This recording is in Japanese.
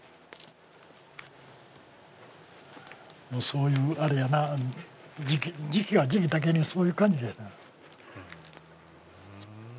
もう、そういうあれやな、時期が時期だけにそういう感じやな。